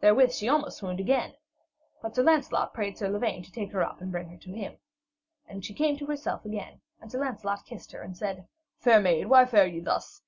Therewith she almost swooned again. But Sir Lancelot prayed Sir Lavaine to take her up and bring her to him. And she came to herself again, and Sir Lancelot kissed her, and said: 'Fair maid, why fare ye thus?